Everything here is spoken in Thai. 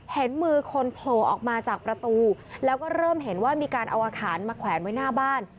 เห็นมือคนโผล่ออกมาจากประตูแล้วก็เริ่มเห็นว่ามีการเอาอาคารมาแขวนไว้หน้าบ้าน